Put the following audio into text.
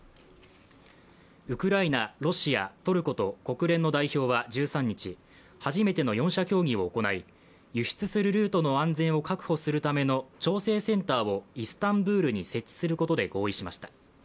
ウクライナ、ロシア、トルコと国連の代表は１３日、初めての４者協議を行い輸出するルートの安全を確保するための調整センターをイスタンブールに設置することで合意しました。